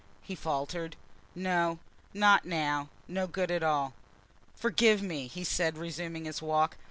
he faltered. "No: not now: no good at all." "Forgive me," he said, resuming his walk.